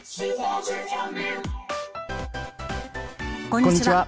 こんにちは。